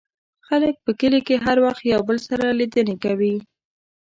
خلک په کلي کې هر وخت یو بل سره لیدنې کوي.